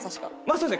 そうですね。